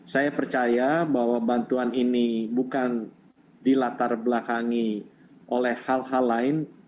saya percaya bahwa bantuan ini bukan dilatar belakangi oleh hal hal lain